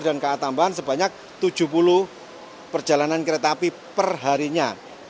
dan ka tambahan sebanyak tujuh puluh perjalanan kereta api perharinya